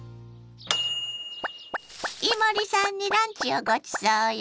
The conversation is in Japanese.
伊守さんにランチをごちそうよ。